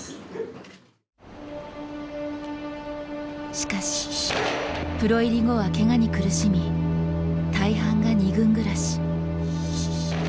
しかし、プロ入り後はけがに苦しみ、大半が２軍暮らし。